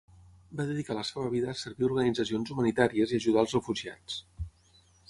Va dedicar la seva vida a servir organitzacions humanitàries i ajudar els refugiats.